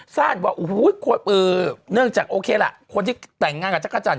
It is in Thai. สร้างว่าโอเคล่ะคนที่แต่งงานกับจักรจันทร์